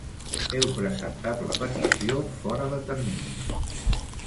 Heu presentat la petició fora de termini.